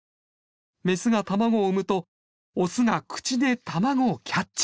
メスが卵を産むとオスが口で卵をキャッチ！